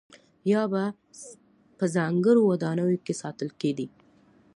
یا به په ځانګړو ودانیو کې ساتل کېدل.